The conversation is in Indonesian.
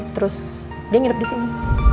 terus dia nginep di sini